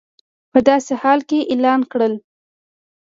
په داسې حال کې اعلان کړل